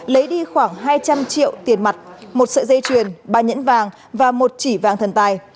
lấy đi khoảng hai trăm linh triệu tiền mặt một sợi dây chuyền ba nhẫn vàng và một chỉ vàng thần tài